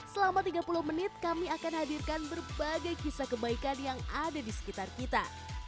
selama tiga puluh menit kami akan hadirkan berbagai kisah kebaikan yang ada di sekitar kita